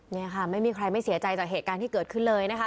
นี่ค่ะไม่มีใครไม่เสียใจจากเหตุการณ์ที่เกิดขึ้นเลยนะคะ